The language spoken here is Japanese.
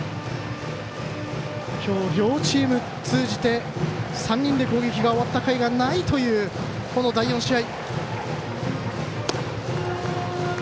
今日、両チーム通じて３人で攻撃が終わった回がないという第４試合。